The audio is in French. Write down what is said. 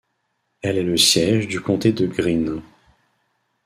Elle est le siège du comté de Greene.